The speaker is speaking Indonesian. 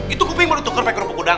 itu nguping menutup kerpek kerupuk gudang